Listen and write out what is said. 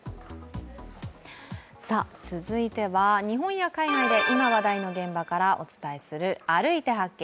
続いては日本や海外で今話題の現場からお伝えする「歩いて発見！